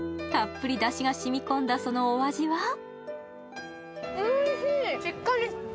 たっぷりだしが染み込んだ、そのお味は？